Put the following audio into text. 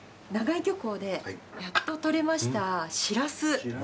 長井漁港でやっと取れましたしらす。